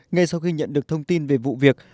ngay sau khi nhận được thông tin về vụ việc